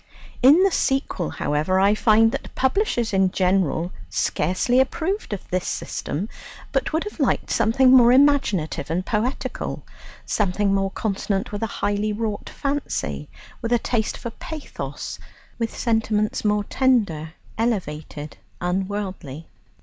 In the sequel, however, I find that publishers in general scarcely approved of this system, but would have liked something more imaginative and poetical something more consonant with a highly wrought fancy, with a taste for pathos, with sentiments more tender, elevated, unworldly.